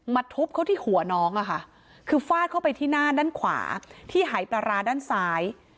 ทุบเขาที่หัวน้องอะค่ะคือฟาดเข้าไปที่หน้าด้านขวาที่หายปลาร้าด้านซ้าย